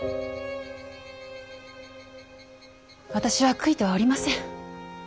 私は悔いてはおりません。